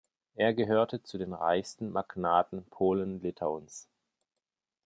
Er gehörte zu den reichsten Magnaten Polen-Litauens.